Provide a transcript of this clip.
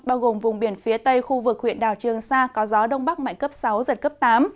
bao gồm vùng biển phía tây khu vực huyện đảo trường sa có gió đông bắc mạnh cấp sáu giật cấp tám